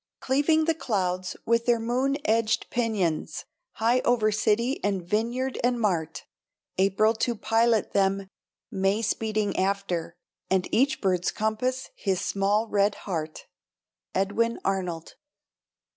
Cleaving the clouds with their moon edged pinions, High over city and vineyard and mart; April to pilot them; May speeding after; And each bird's compass his small red heart. _Edwin Arnold.